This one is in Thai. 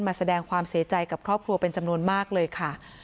แสดงความเสียใจกับครอบครัวเป็นจำนวนมากเลยค่ะ